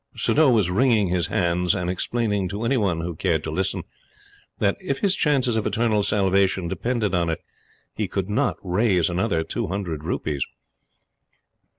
Suddhoo was wringing his hands and explaining to any one who cared to listen, that, if his chances of eternal salvation depended on it, he could not raise another two hundred rupees.